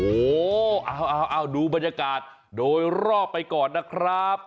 โอ้โหเอาดูบรรยากาศโดยรอบไปก่อนนะครับ